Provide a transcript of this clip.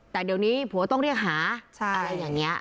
แต่เดี๋ยวนี้ผัวต้องเรียกหาอะไรอย่างนี้